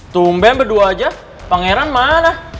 tumben berdua aja pangeran mana